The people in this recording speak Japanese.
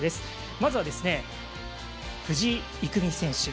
まずは、藤井郁美選手。